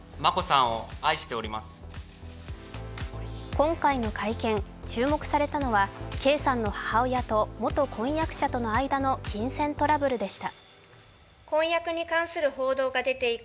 今回の会見注目されたのは圭さんの母親と元婚約者との間の金銭トラブルでした。